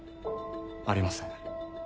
ありません。